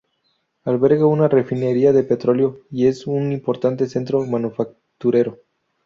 Alberga una refinería de petróleo y es un importante centro manufacturero.